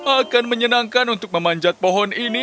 akan menyenangkan untuk memanjat pohon ini